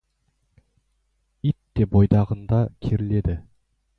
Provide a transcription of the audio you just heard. Ит те бойдағында керіледі.